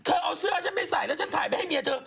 เธอเอาเสื้อฉันไปใส่แล้วฉันถ่ายไปให้เมียเธอ